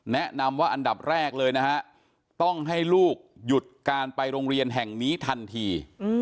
แนะนำว่าอันดับแรกเลยนะฮะต้องให้ลูกหยุดการไปโรงเรียนแห่งนี้ทันที